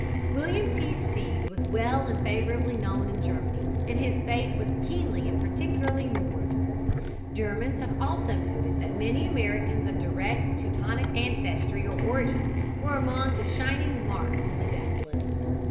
William T. Stead was well and favorably known in Germany, and his fate was keenly and particularly mourned. Germans have also noted that many Americans of direct Teutonic ancestry or origin were among the shining marks in the death list.